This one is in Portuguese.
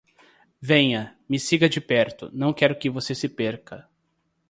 Venha, me siga de perto, não quero que você se perca.